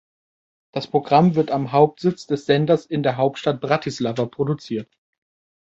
Das Programm wird am Hauptsitz des Senders in der Hauptstadt Bratislava produziert.